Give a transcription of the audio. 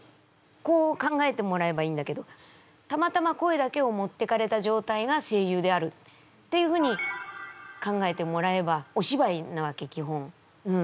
こう考えてもらえばいいんだけどたまたま声だけを持っていかれたじょうたいが声優であるっていうふうに考えてもらえばお芝居なわけきほん。